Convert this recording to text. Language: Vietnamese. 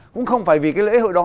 cũng không phải vì cái lễ hội đó